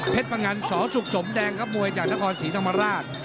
เพชรฟังัญสอสุกสมแดงกับมวยจากนครศรีธรรมราช